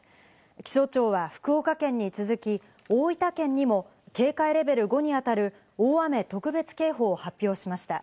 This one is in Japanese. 気象庁は福岡県に続き、大分県にも警戒レベル５に当たる大雨特別警報を発表しました。